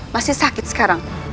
masih sakit sekarang